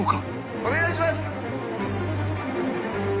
お願いします！